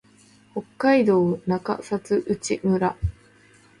北海道中札内村